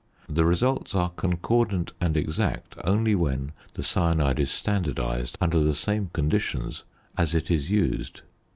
The results are concordant and exact only when the cyanide is standardised under the same conditions as it is used.